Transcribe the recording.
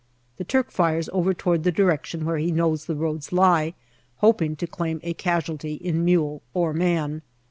The Turk fires over towards the direction where he knows the roads lie, hoping to claim a casualty in mule or man.